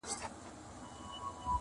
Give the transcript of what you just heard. • ستا په زلفو کي اثیر را سره خاندي,